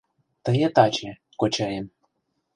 — Тые таче, кочаем